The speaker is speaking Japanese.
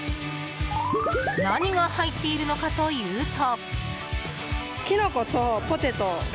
何が入っているのかというと。